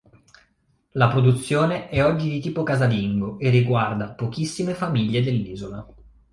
La produzione è oggi di tipo casalingo e riguarda pochissime famiglie dell'isola.